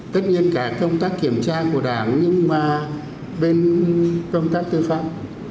tất nhiên cả công tác kiểm tra của đảng nhưng mà bên công tác tư pháp